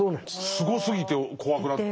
すごすぎて怖くなってきた。